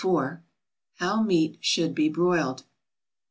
=How Meat should be Broiled.